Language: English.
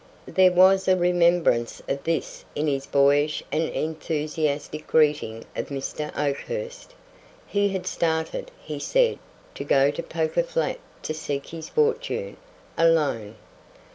There was a remembrance of this in his boyish and enthusiastic greeting of Mr. Oakhurst. He had started, he said, to go to Poker Flat to seek his fortune. "Alone?"